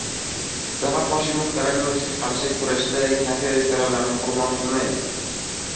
Zafar Hoshimov: "Koronavirusga qarshi kurashda kafe-restoranlarni qurbon qilmaylik"